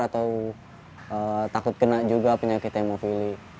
atau takut kena juga penyakit hemofili